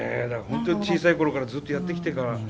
だから本当に小さい頃からずっとやってきたから。